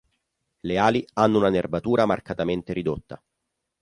Le ali hanno una nervatura marcatamente ridotta.